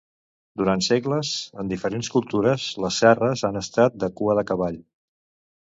Durant segles, en diferents cultures les cerres han estat de cua de cavall.